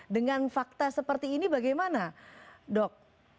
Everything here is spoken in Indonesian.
dengan fakta seperti ini bagaimana dok